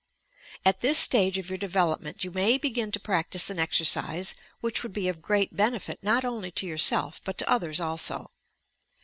At this stage of your development, you may begin to practice an exercise which would be of great benefit, not only to yourself but to others also.